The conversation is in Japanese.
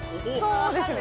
そうですね。